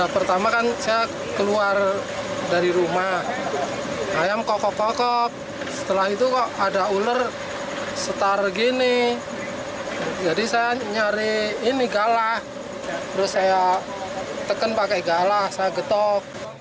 pertama kan saya keluar dari rumah ayam kokoh kokok setelah itu kok ada ular setar gini jadi saya nyari ini galah terus saya tekan pakai galah saya getok